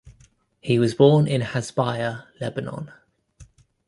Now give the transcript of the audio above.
He was born in Hasbaya, Lebanon.